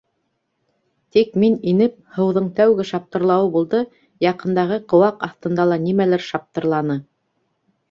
Тик мин инеп, һыуҙың тәүге шаптырлауы булды, яҡындағы ҡыуаҡ аҫтында ла нимәлер шаптырланы.